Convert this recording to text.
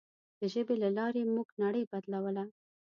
د ژبې له لارې موږ نړۍ بدلوله.